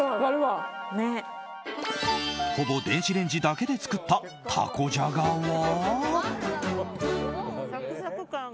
ほぼ電子レンジだけで作ったたこじゃがは。